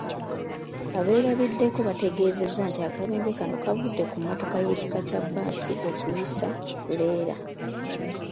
Abeerabiddeko bategeezezza nti akabenje kano kavudde ku mmotoka y'ekika kya bbaasi okuyisa ttuleera